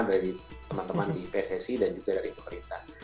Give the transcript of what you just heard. dari teman teman di pssi dan juga dari pemerintah